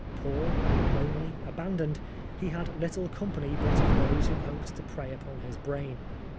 Poor, lonely, abandoned, he had little com pany but of those who hoped to prey upon his brain.